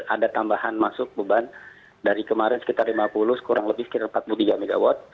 ada tambahan masuk beban dari kemarin sekitar lima puluh kurang lebih sekitar empat puluh tiga mw